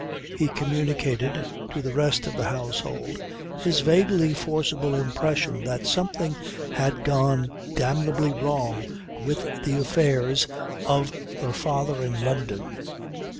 He communicated to the rest of the household his vaguely forcible impression that something had gone d bly wrong with the affairs of "her father in London."